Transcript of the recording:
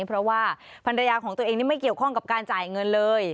เพราะว่าภรรยาของตัวเองนี่ไม่เกี่ยวข้องกับการจ่ายเงินเลย